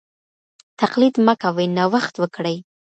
تقليد مه کوئ نوښت وکړئ.